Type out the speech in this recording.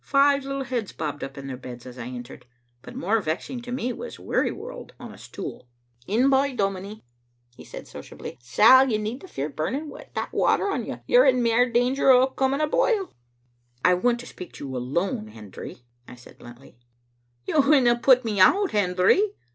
Five little heads bobbed up in their beds as I entered, but more vexing to me was Wearyworld on a stool. "In by, dominie," he said sociably. "Sal, you needna fear burning wi' a* that water on you. You're in mair danger o' coming a boil." "I want to speak to you alone, Hendry," I said bluntly. "You winna put me out, Hendry?"